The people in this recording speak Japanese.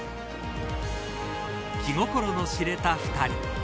気心の知れた２人。